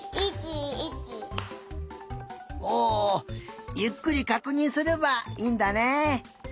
おゆっくりかくにんすればいいんだね。